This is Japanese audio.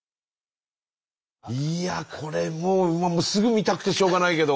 いやこれもうすぐ見たくてしょうがないけど。